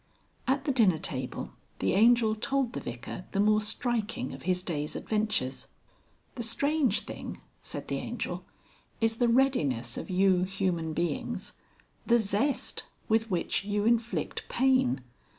XXXIII. At the dinner table the Angel told the Vicar the more striking of his day's adventures. "The strange thing," said the Angel, "is the readiness of you Human Beings the zest, with which you inflict pain.